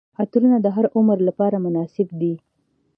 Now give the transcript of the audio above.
عطرونه د هر عمر لپاره مناسب دي.